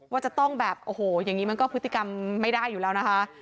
ว่าจะต้องแบบโอ้โหอย่างนี้มันก็พฤติกรรมไม่ได้อยู่แล้วนะคะ